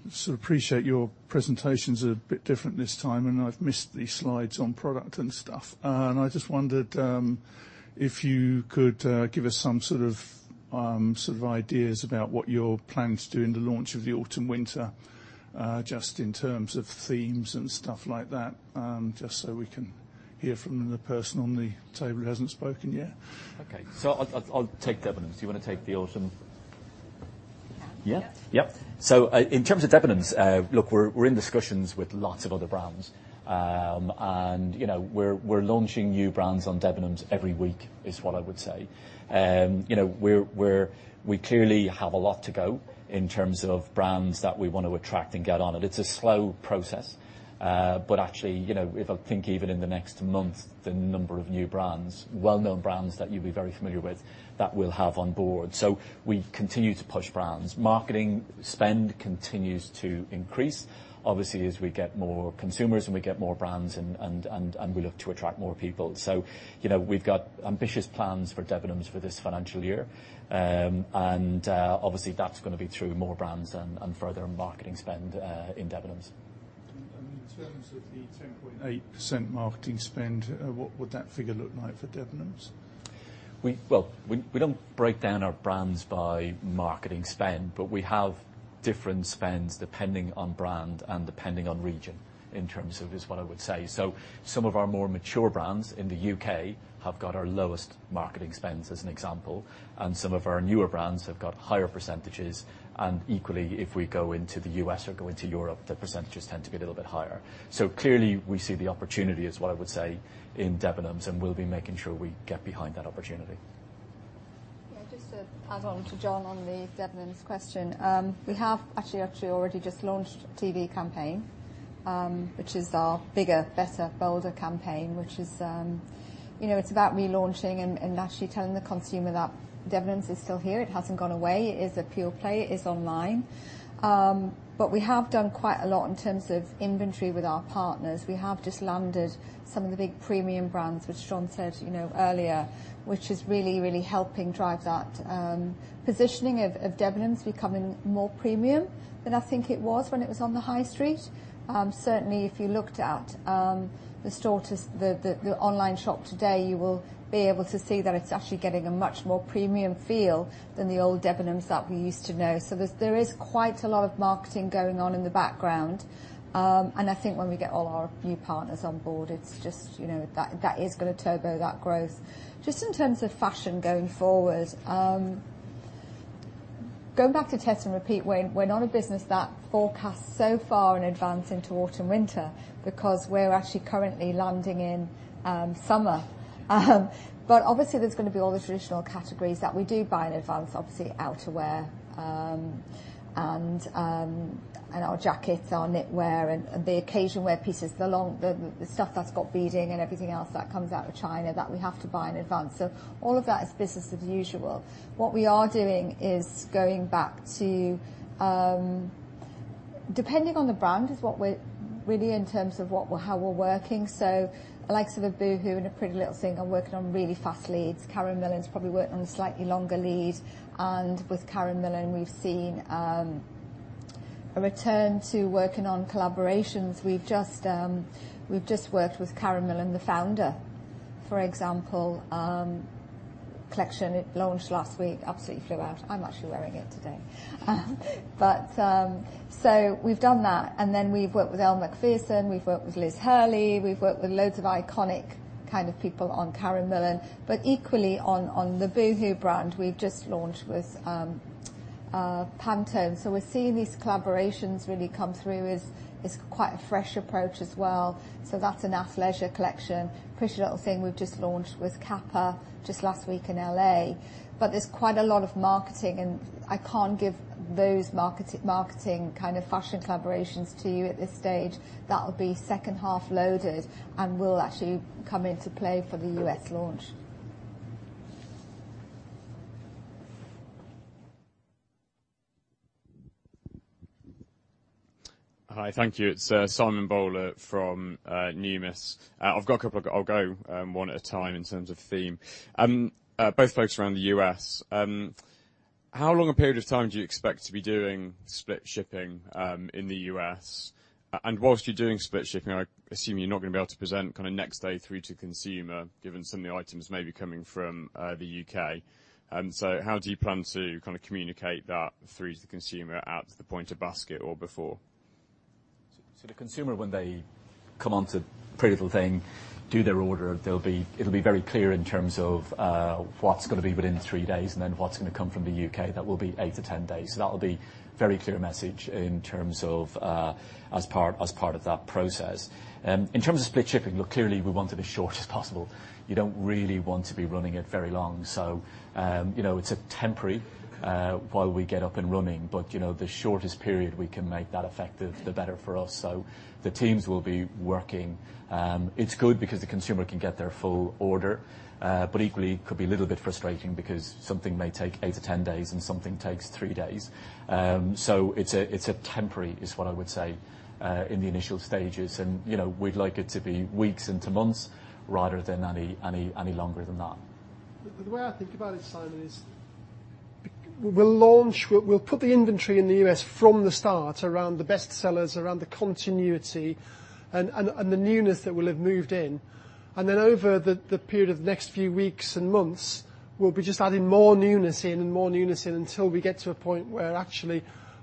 sort of appreciate your presentations are a bit different this time, and I've missed the slides on product and stuff. I just wondered, if you could give us some sort of ideas about what you're planning to do in the launch of the autumn winter, just in terms of themes and stuff like that, just so we can hear from the person on the table who hasn't spoken yet? Okay. I'll take Debenhams. Do you wanna take the autumn? Yeah. Yeah? Yeah. Yep. In terms of Debenhams, look, we're in discussions with lots of other brands. you know, we're launching new brands on Debenhams every week is what I would say. you know, we're clearly have a lot to go in terms of brands that we want to attract and get on it. It's a slow process. actually, you know, if I think even in the next month the number of new brands, well-known brands that you'll be very familiar with that we'll have on board. We continue to push brands. Marketing spend continues to increase obviously as we get more consumers and we get more brands and we look to attract more people. you know, we've got ambitious plans for Debenhams for this financial year. Obviously, that's gonna be through more brands and further marketing spend, in Debenhams. In terms of the 10.8% marketing spend, what would that figure look like for Debenhams? Well, we don't break down our brands by marketing spend, but we have different spends depending on brand and depending on region in terms of is what I would say. Some of our more mature brands in the U.K. have got our lowest marketing spends as an example, and some of our newer brands have got higher percentages. Equally, if we go into the U.S. or go into Europe, the percentages tend to be a little bit higher. Clearly, we see the opportunity is what I would say in Debenhams, and we'll be making sure we get behind that opportunity. Yeah. Just to add on to John on the Debenhams question. We have actually already just launched a TV campaign, which is our bigger, better, bolder campaign, which is, you know, it's about relaunching and actually telling the consumer that Debenhams is still here. It hasn't gone away. It is a pure play. It is online. We have done quite a lot in terms of inventory with our partners. We have just landed some of the big premium brands, which John said, you know, earlier, which is really helping drive that positioning of Debenhams becoming more premium than I think it was when it was on the high street. Certainly if you looked at the online shop today, you will be able to see that it's actually getting a much more premium feel than the old Debenhams that we used to know. There is quite a lot of marketing going on in the background. I think when we get all our new partners on board, it's just, you know, that is gonna turbo that growth. Just in terms of fashion going forward, going back to test and repeat, we're not a business that forecasts so far in advance into autumn winter because we're actually currently landing in summer. Obviously there's gonna be all the traditional categories that we do buy in advance. Obviously, outerwear, and our jackets, our knitwear and the occasion wear pieces, the long... The stuff that's got beading and everything else that comes out of China that we have to buy in advance. All of that is business as usual. What we are doing is going back to, depending on the brand is how we're working. The likes of a Boohoo and a PrettyLittleThing are working on really fast leads. Karen Millen's probably working on a slightly longer lead. With Karen Millen, we've seen. A return to working on collaborations. We've just worked with Karen Millen, the founder, for example, collection, it launched last week. Absolutely flew out. I'm actually wearing it today. We've done that, and then we've worked with Elle Macpherson, we've worked with Elizabeth Hurley, we've worked with loads of iconic kind of people on Karen Millen. Equally on the Boohoo brand, we've just launched with Pantone, we're seeing these collaborations really come through as quite a fresh approach as well. That's in our leisure collection. PrettyLittleThing we've just launched with Kappa just last week in L.A. There's quite a lot of marketing, and I can't give those marketing kind of fashion collaborations to you at this stage. That'll be second-half loaded and will actually come into play for the U.S. launch. Hi. Thank you. It's Simon Bowler from Numis. I'll go one at a time in terms of theme. Both focus around the U.S. How long a period of time do you expect to be doing split shipping in the U.S.? Whilst you're doing split shipping, I assume you're not gonna be able to present kinda next day through to consumer, given some of the items may be coming from the U.K. How do you plan to kinda communicate that through to the consumer at the point of basket or before? The consumer, when they come onto PrettyLittleThing, do their order, it'll be very clear in terms of what's gonna be within three days and then what's gonna come from the U.K. that will be eight to 10 days. That will be very clear message in terms of as part of that process. In terms of split shipping, look, clearly we want it as short as possible. You don't really want to be running it very long. You know, it's a temporary while we get up and running, but, you know, the shortest period we can make that effective, the better for us. The teams will be working. It's good because the consumer can get their full order, but equally could be a little bit frustrating because something may take eight to 10 days and something takes three days. It's a, it's a temporary is what I would say, in the initial stages. You know, we'd like it to be weeks into months rather than any longer than that. The way I think about it, Simon, is we'll put the inventory in the U.S. from the start around the bestsellers, around the continuity and the newness that will have moved in. Then over the period of the next few weeks and months, we'll be just adding more newness in and more newness in until we get to a point where actually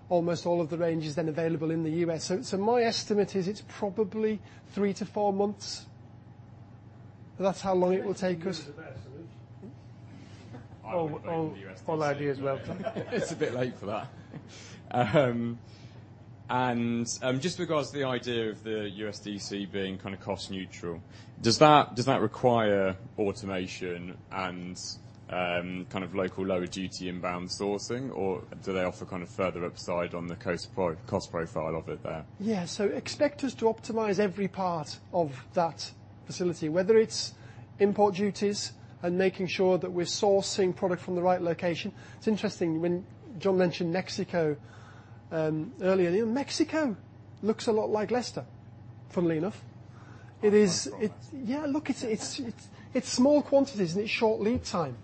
almost all of the range is then available in the U.S. My estimate is it's probably three to four months. That's how long it will take us. I'll be going to the U.S. next year. [Ladies] as well. It's a bit late for that. Just regards the idea of the U.S. DC being kind of cost neutral, does that require automation and, kind of local lower duty inbound sourcing? Or do they offer kind of further upside on the cost profile of it there? Yeah. Expect us to optimize every part of that facility, whether it's import duties and making sure that we're sourcing product from the right location. It's interesting. When John mentioned Mexico earlier. You know, Mexico looks a lot like Leicester, funnily enough. Oh, my God. Yeah. Look, it's small quantities and it's short lead time.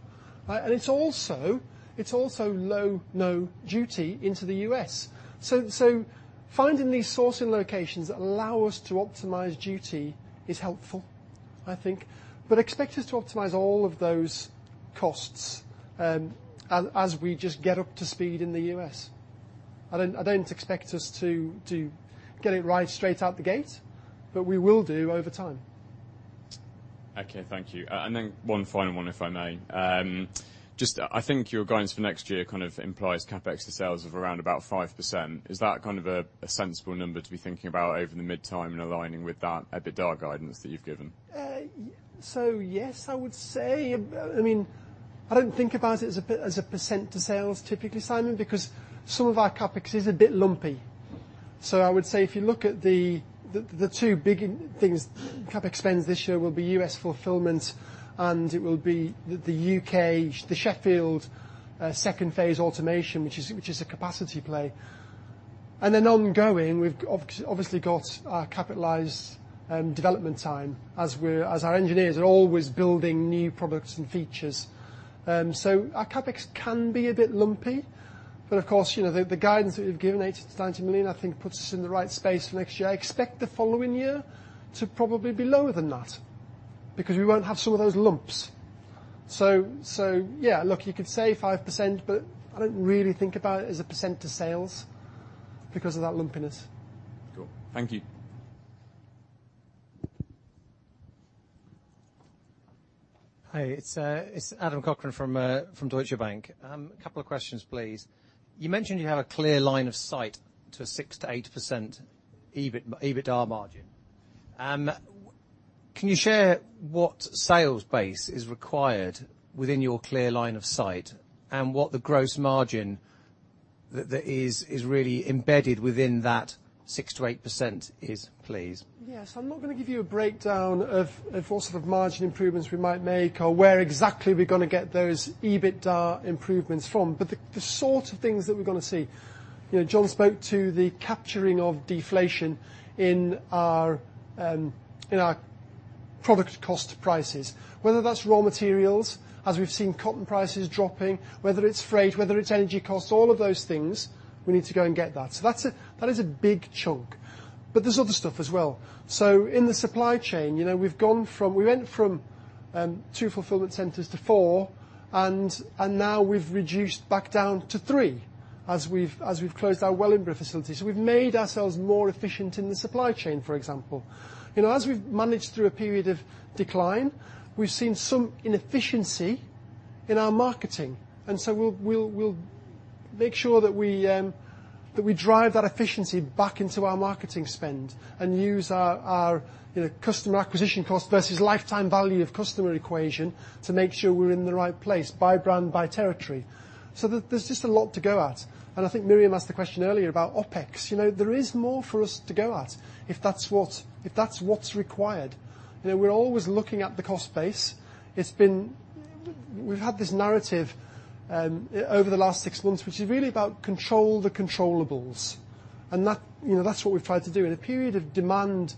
Right? It's also low, no duty into the U.S. Finding these sourcing locations that allow us to optimize duty is helpful, I think. Expect us to optimize all of those costs as we just get up to speed in the U.S. I don't expect us to get it right straight out the gate, but we will do over time. Okay. Thank you. One final one, if I may. Just, I think your guidance for next year kind of implies CapEx to sales of around 5%. Is that kind of a sensible number to be thinking about over the mid-term and aligning with that EBITDA guidance that you've given? Yes, I would say. I mean, I don't think about it as a percentage to sales typically, Simon, because some of our CapEx is a bit lumpy. I would say if you look at the two big things, CapEx spends this year will be U.S. fulfillment, and it will be the U.K., the Sheffield, second phase automation, which is a capacity play. Then ongoing, we've obviously got our capitalized development time as our engineers are always building new products and features. Our CapEx can be a bit lumpy, of course, you know, the guidance that we've given, 80 million-90 million, I think puts us in the right space for next year. I expect the following year to probably be lower than that because we won't have some of those lumps. Yeah. Look, you could say 5%, but I don't really think about it as a % to sales because of that lumpiness. Cool. Thank you. Hi. It's Adam Cochrane from Deutsche Bank. Couple of questions please. You mentioned you have a clear line of sight to 6%-8% EBIT, EBITDA margin. Can you share what sales base is required within your clear line of sight and what the Gross Margin that is really embedded within that 6%-8% is, please? Yes. I'm not gonna give you a breakdown of what sort of margin improvements we might make or where exactly we're gonna get those EBITDA improvements from, but the sort of things that we're gonna see. You know, John spoke to the capturing of deflation in our, in our...product cost prices. Whether that's raw materials, as we've seen cotton prices dropping, whether it's freight, whether it's energy costs, all of those things we need to go and get that. That is a big chunk. But there's other stuff as well. In the supply chain, you know, We went from, two fulfillment centers to four and now we've reduced back down to three as we've, as we've closed our Wellingborough facility. We've made ourselves more efficient in the supply chain, for example. You know, as we've managed through a period of decline, we've seen some inefficiency in our marketing. We'll make sure that we drive that efficiency back into our marketing spend and use our, you know, customer acquisition cost versus lifetime value of customer equation to make sure we're in the right place by brand, by territory. There's just a lot to go at. I think Miriam asked the question earlier about OpEx. You know, there is more for us to go at, if that's what's required. You know, we're always looking at the cost base. We've had this narrative over the last six months, which is really about control the controllables, and that, you know, that's what we've tried to do. In a period of demand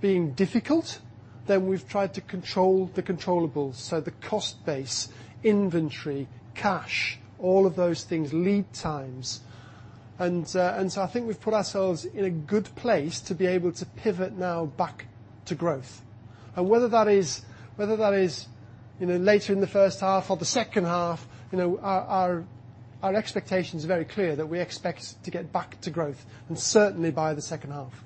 being difficult, then we've tried to control the controllables. The cost base, inventory, cash, all of those things, lead times. I think we've put ourselves in a good place to be able to pivot now back to growth. Whether that is, you know, later in the first half or the second half, you know, our expectations are very clear that we expect to get back to growth and certainly by the second half.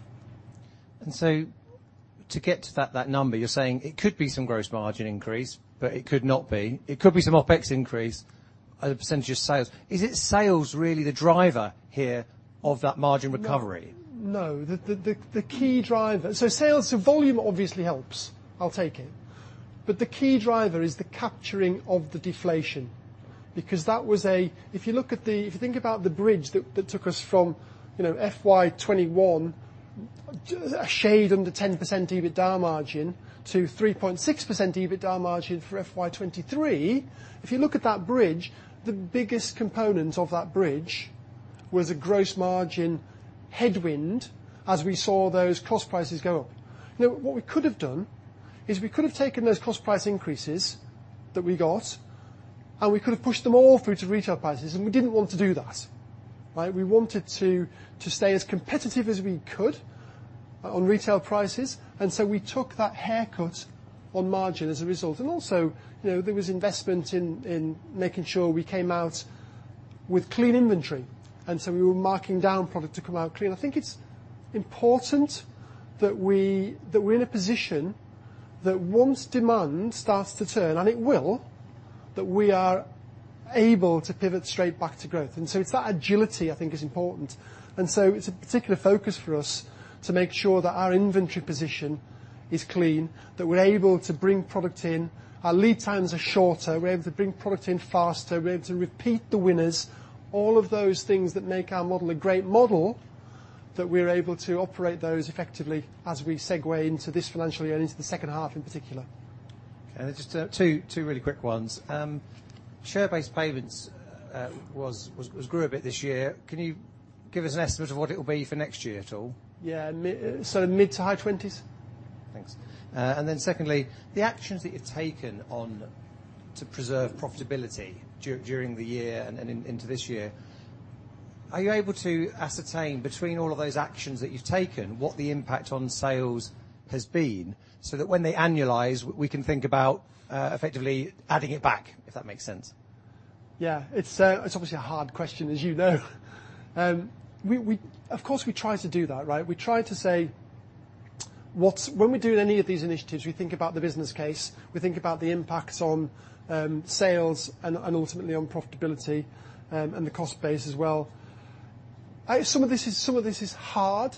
To get to that number, you're saying it could be some gross margin increase, but it could not be. It could be some OpEx increase as a percentage of sales. Is it sales really the driver here of that margin recovery? No. The key driver. Sales to volume obviously helps. I'll take it. The key driver is the capturing of the deflation, because that was a. If you think about the bridge that took us from, you know, FY 2021, a shade under 10% EBITDA margin to 3.6% EBITDA margin for FY 2023. If you look at that bridge, the biggest component of that bridge was a Gross Margin headwind as we saw those cost prices go up. What we could have done is we could have taken those cost price increases that we got, and we could have pushed them all through to retail prices, and we didn't want to do that, right? We wanted to stay as competitive as we could on retail prices. We took that haircut on margin as a result. Also, you know, there was investment in making sure we came out with clean inventory, and so we were marking down product to come out clean. I think it's important that we're in a position that once demand starts to turn, and it will, that we are able to pivot straight back to growth. It's that agility I think is important. It's a particular focus for us to make sure that our inventory position is clean, that we're able to bring product in. Our lead times are shorter. We're able to bring product in faster. We're able to repeat the winners. All of those things that make our model a great model, that we're able to operate those effectively as we segue into this financial year and into the second half in particular. Just two really quick ones. Share-based payments was grew a bit this year. Can you give us an estimate of what it will be for next year at all? Yeah. Mid to high 20s. Thanks. Secondly, the actions that you've taken on to preserve profitability during the year and into this year, are you able to ascertain between all of those actions that you've taken, what the impact on sales has been, so that when they annualize, we can think about effectively adding it back, if that makes sense? Yeah. It's obviously a hard question, as you know. Of course, we try to do that, right? We try to say what's... when we do any of these initiatives, we think about the business case. We think about the impact on sales and ultimately on profitability and the cost base as well. Some of this is hard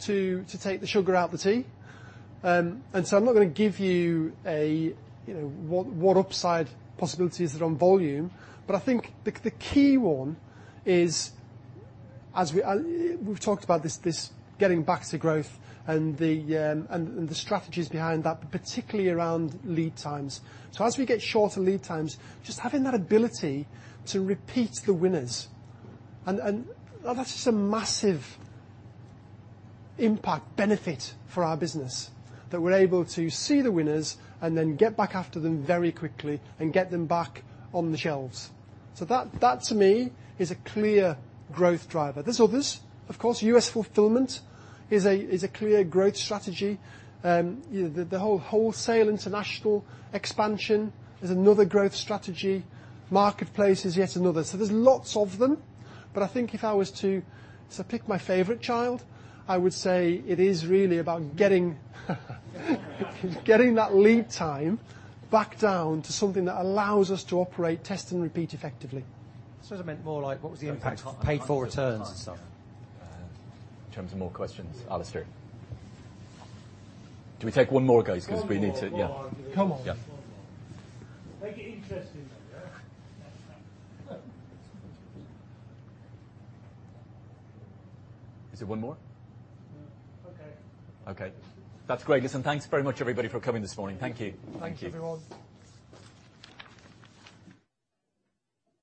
to take the sugar out the tea. I'm not gonna give you a, you know, what upside possibilities are on volume. I think the key one is, as we've talked about this getting back to growth and the strategies behind that, particularly around lead times. As we get shorter lead times, just having that ability to repeat the winners. That's just a massive impact benefit for our business, that we're able to see the winners and then get back after them very quickly and get them back on the shelves. That, that to me is a clear growth driver. There's others, of course. U.S. fulfillment is a clear growth strategy. You know, the whole wholesale international expansion is another growth strategy. Marketplace is yet another. There's lots of them. I think if I was to pick my favorite child, I would say it is really about getting that lead time back down to something that allows us to operate, test and repeat effectively. Sort of meant more like what was the impact of paid for returns and stuff? Yeah. In terms of more questions. Alistair. Do we take one more, guys? One more. Yeah. Come on. Yeah. One more. Make it interesting though, yeah? Is it one more? Okay. Okay. That's great. Listen, thanks very much everybody for coming this morning. Thank you. Thank you, everyone.